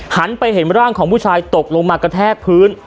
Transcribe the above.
หันไปเห็นร่างของผู้ชายตกลงมากระแทกพื้น